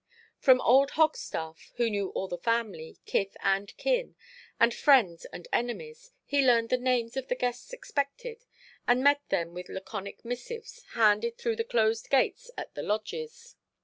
From old Hogstaff, who knew all the family, kith and kin, and friends and enemies, he learned the names of the guests expected, and met them with laconic missives handed through the closed gates at the lodges.